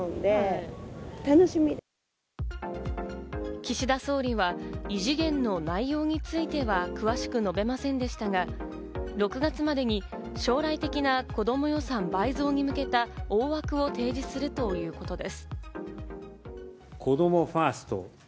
岸田総理は異次元の内容については詳しく述べませんでしたが、６月までに将来的なこども予算倍増に向けた大枠を提示するということです。